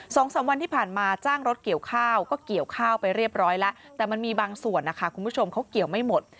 สองสามวันที่ผ่านมาจ้างรถเกี่ยวข้าวก็เกี่ยวข้าวไปเรียบร้อยแล้วแต่มันมีบางส่วนนะคะคุณผู้ชมเขาเกี่ยวไม่หมด